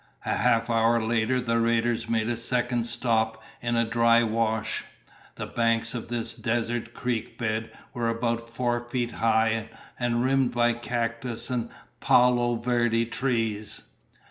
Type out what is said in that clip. A half hour later the raiders made a second stop in a dry wash. The banks of this desert creek bed were about four feet high and rimmed by cactus and palo verde trees.